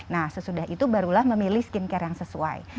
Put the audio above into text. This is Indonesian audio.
nah sesudah itu barulah memilih skin care yang sesuai